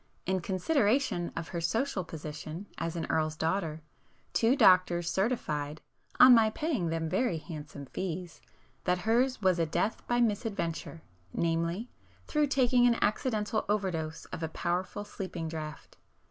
In consideration of her social position as an Earl's daughter, two doctors certified (on my paying them very handsome fees) that hers was a 'death by misadventure,'—namely, through taking an accidental overdose of a powerful sleeping draught.